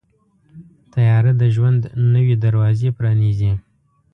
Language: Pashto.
طیاره د ژوند نوې دروازې پرانیزي.